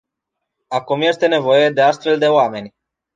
Acum este nevoie de astfel de oameni.